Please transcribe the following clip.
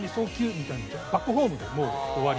みたいな「バックホーム！」でもう終わり。